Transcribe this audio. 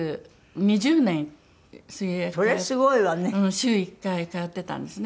週１回通ってたんですね。